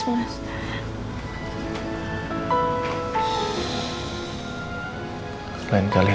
masih ada yang nunggu